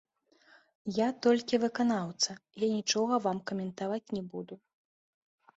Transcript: Я толькі выканаўца, я нічога вам каментаваць не буду.